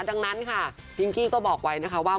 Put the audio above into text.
ดังนั้นค่ะพิงกี้ก็บอกไว้นะคะว่า